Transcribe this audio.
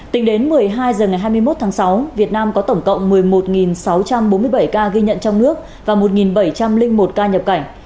tính đến một mươi hai h ngày hai mươi một tháng sáu việt nam có tổng cộng một mươi một sáu trăm bốn mươi bảy ca ghi nhận trong nước và một bảy trăm linh một ca nhập cảnh